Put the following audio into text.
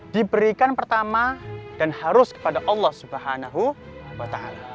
diberikan pertama dan harus kepada allah swt